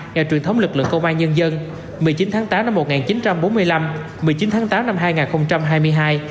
ngày truyền thống lực lượng công an nhân dân một mươi chín tháng tám năm một nghìn chín trăm bốn mươi năm một mươi chín tháng tám năm hai nghìn hai mươi hai